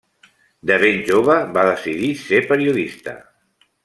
De ben jove, va decidir ser periodista.